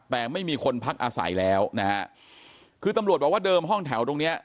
แต่ไม่มีคนพักอาศัยแล้วนะฮะคือตำรวจบอกว่าเดิมห้องแถวตรงเนี้ย